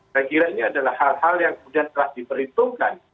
saya kira ini adalah hal hal yang kemudian telah diperhitungkan